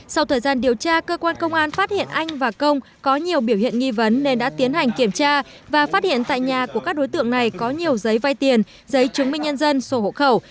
sau thời gian điều tra cơ quan công an phát hiện anh và công có nhiều biểu hiện nghi vấn nên đã tiến hành kiểm tra và phát hiện tại nhà của các đối tượng này có nhiều giấy vay tiền giấy chứng minh nhân dân sổ hộ khẩu